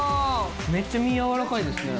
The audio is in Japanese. めっちゃ身柔らかいです